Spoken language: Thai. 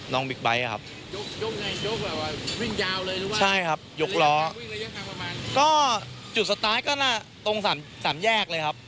น้องบิ๊กไบท์ครับ